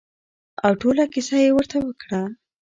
او ټوله کېسه يې ورته وکړه.